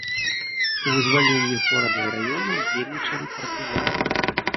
У вызваленні горада і раёна ўдзельнічалі партызаны.